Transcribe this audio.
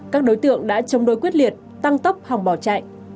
các đối tượng đã chống đối quyết liệt tăng tốc hỏng bỏ chạy